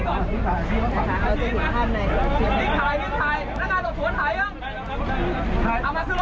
นิดถ่ายนิดถ่ายเอามาซื้อรถซื้อรถเสร็จแล้วข่าวซื้อด้วย